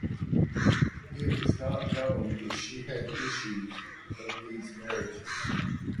It is not known if she had issue from these marriages.